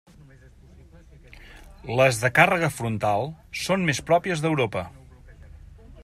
Les de càrrega frontal són més pròpies d'Europa.